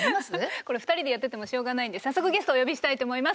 これ２人でやっててもしょうがないんで早速ゲストお呼びしたいと思います。